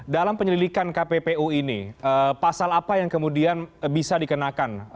dalam penyelidikan kppu ini pasal apa yang kemudian bisa dikenakan